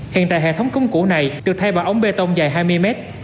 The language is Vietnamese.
hiện tại hệ thống cống cổ này được thay bỏ ống bê tông dài hai mươi mét